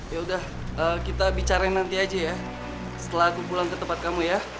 yaudah kita bicara nanti aja ya setelah aku pulang ke tempat kamu ya